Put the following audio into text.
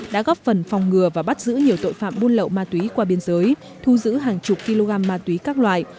đã góp phần phòng ngừa và bắt giữ nhiều tội phạm buôn lậu ma túy qua biên giới thu giữ hàng chục kg ma túy các loại